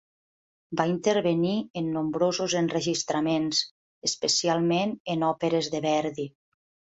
Va intervenir en nombrosos enregistraments especialment en òperes de Verdi.